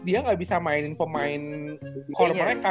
mereka bisa mainin pemain core mereka